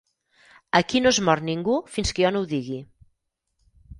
"Aquí no es mor ningú fins que jo no ho digui".